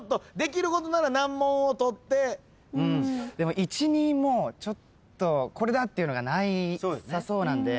でも１・２もちょっとこれだっていうのがなさそうなんで。